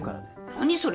何それ？